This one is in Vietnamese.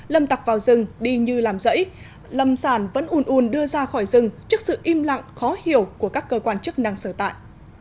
lâm tặc vào rừng đi như làm dẫy lâm sàn vẫn ùn ùn đưa ra khỏi rừng trước sự im lặng khó hiểu của các cơ quan chức năng sở tại